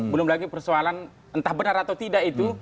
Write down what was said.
belum lagi persoalan entah benar atau tidak itu